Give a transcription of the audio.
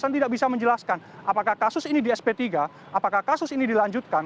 saya tidak bisa menjelaskan apakah kasus ini di sp tiga apakah kasus ini dilanjutkan